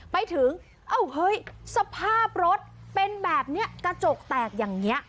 ไปถึงเอ้าเฮ้ยสภาพรถเป็นแบบนี้กระจกแตกอย่างนี้